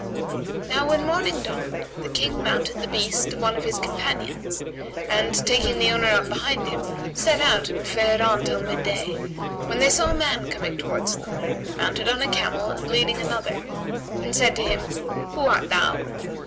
"[FN#131] Now when morning dawned the King mounted the beast of one of his companions and, taking the owner up behind him, set out and fared on till midday, when they saw a man coming towards them, mounted on a camel and leading another, and said to him, "Who art thou?"